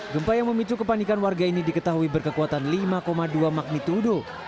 gempa yang memicu kepanikan warga ini diketahui berkekuatan lima dua magnitudo